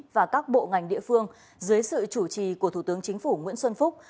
và các bộ ngành địa phương dưới sự chủ trì của thủ tướng chính phủ nguyễn xuân phúc